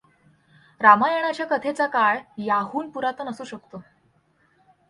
रामायणाच्या कथेचा काळ याहून पुरातन असू शकतो.